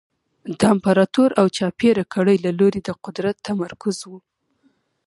د امپراتور او چاپېره کړۍ له لوري د قدرت تمرکز و